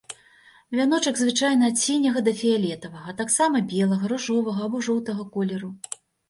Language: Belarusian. Вяночак звычайна ад сіняга да фіялетавага, а таксама белага, ружовага або жоўтага колеру.